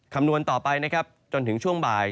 คำนวณต่อไปจนถึงช่วงบ่าย